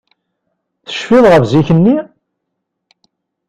Tecfiḍ ɣef zik-nni?